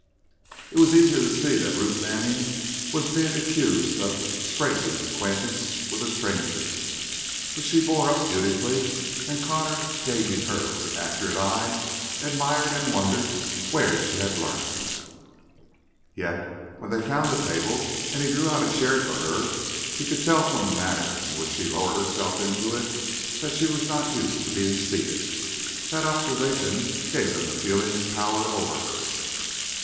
It was easy to see that Ruth Manning was being accused of "scraping" acquaintance with the stranger, but she bore up beautifully, and Connor gauging her with an accurate eye, admired and wondered where she had learned. Yet when they found a table and he drew out a chair for her, he could tell from the manner in which she lowered herself into it that she was not used to being seated. That observation gave him a feeling of power over her.